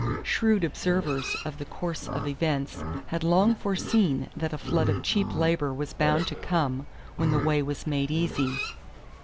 Shrewd observers of the course of events had long foreseen that a flood of cheap labor was bound to come when the way was made easy.